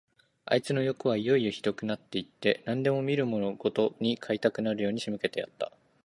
あいつのよくはいよいよひどくなって行って、何でも見るものごとに買いたくなるように仕向けてやった。